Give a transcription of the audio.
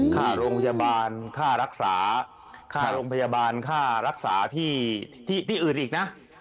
ค่าโรงพยาบาลค่ารักษาค่ารักษาที่อื่นอีกนะ